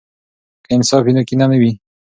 که انصاف وي، نو کینه نه وي.